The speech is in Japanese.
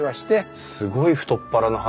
すごい太っ腹の話。